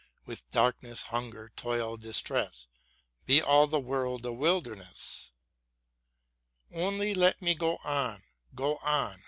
With darkness, hunger, toil, distress : Be all the earth a wilderness ! Only let me go on, go on.